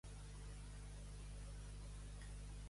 Neix a bosc, creix a bosc i busca els racons de la casa.